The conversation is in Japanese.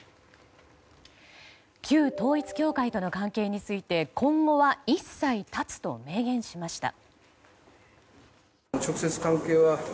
旧統一教会との関係について今後は一切断つと明言しました。